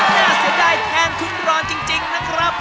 น่าเสียดายแทนคุณรอนจริงนะครับ